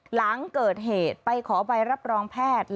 หลังเกิดเหตุไปขอใบรับรองแพทย์